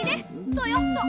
そうよそう。